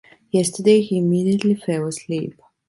Yesterday he immediately fell asleep.